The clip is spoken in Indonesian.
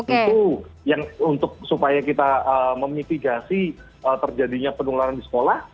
itu yang untuk supaya kita memitigasi terjadinya penularan di sekolah